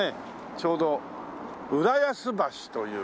ちょうど浦安橋というね。